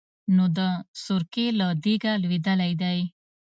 نو د سرکې له دېګه لوېدلی دی.